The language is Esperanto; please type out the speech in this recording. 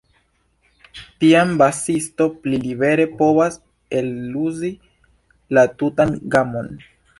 Tiam basisto pli libere povas eluzi la tutan gamon.